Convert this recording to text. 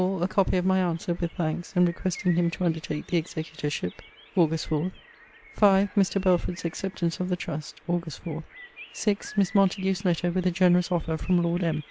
A copy of my answer, with thanks; and re questing him to undertake the executor ship .................. Aug. 4. 5. Mr. Belford's acceptance of the trust .. Aug. 4. 6. Miss Montague's letter, with a generous offer from Lord M.